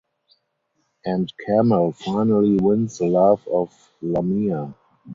And Kamal finally wins the love of Lamia.